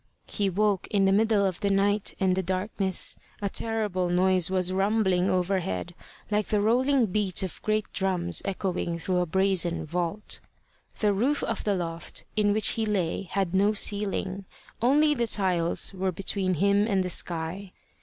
He woke in the middle of the night and the darkness. A terrible noise was rumbling overhead, like the rolling beat of great drums echoing through a brazen vault. The roof of the loft in which he lay had no ceiling; only the tiles were between him and the sky.